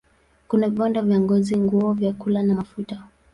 Kuna viwanda vya ngozi, nguo, vyakula na mafuta.